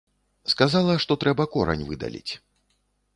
Сказала, што трэба корань выдаліць.